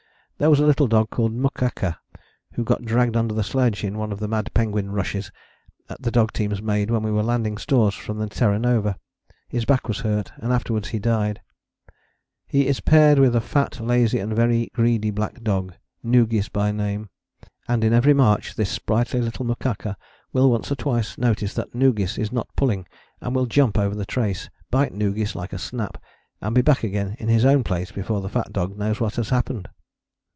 There was a little dog called Mukaka, who got dragged under the sledge in one of the mad penguin rushes the dog teams made when we were landing stores from the Terra Nova: his back was hurt and afterwards he died. "He is paired with a fat, lazy and very greedy black dog, Noogis by name, and in every march this sprightly little Mukaka will once or twice notice that Noogis is not pulling and will jump over the trace, bite Noogis like a snap, and be back again in his own place before the fat dog knows what has happened."